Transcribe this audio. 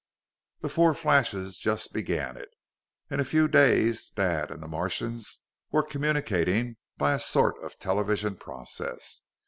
"The four flashes just began it. In a few days Dad and the Martians were communicating by a sort of television process.